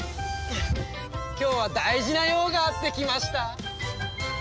今日は大事な用があって来ました。